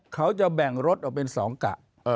เขาจะแบ่งรถเราเป็นสองกะ